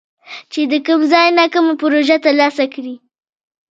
چې د کوم ځای نه کومه پروژه تر لاسه کړي